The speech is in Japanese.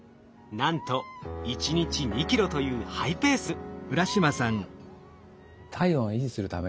なんと１日２ｋｇというハイペース。